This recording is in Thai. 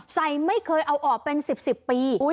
ไม่เคยเอาออกเป็น๑๐ปี